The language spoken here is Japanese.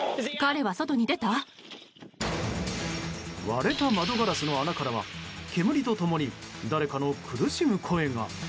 割れた窓ガラスの穴からは煙とともに誰かの苦しむ声が。